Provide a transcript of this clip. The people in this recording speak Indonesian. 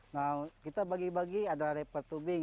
nah kita bagi bagi ada river tubing